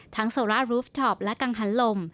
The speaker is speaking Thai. โซรารูฟท็อปและกังหันลม